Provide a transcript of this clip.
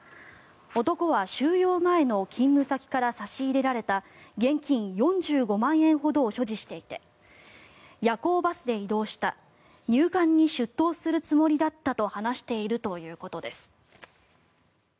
男は収容前の勤務先から差し入れられた現金４５万円ほどを所持していて夜行バスで移動した入管に出頭するつもりだったと話しているということです。